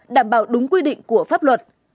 đảm bảo đúng quy định của pháp luật